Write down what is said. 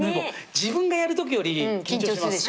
自分がやるときより緊張します。